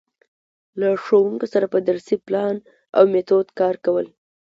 له ښـوونکو سره پر درسي پـلان او میتود کـار کول.